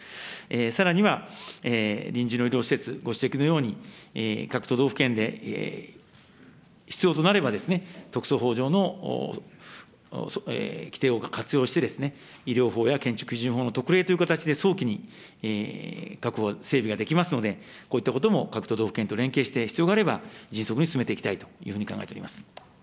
さらには臨時の医療施設、ご指摘のように、各都道府県で必要となれば特措法上の規定を活用してですね、医療法や建築基準法の特例という形で早期に確保、整備ができますので、こういったことも各都道府県と連携して、必要があれば迅速に進めていきたいというふうに考えております。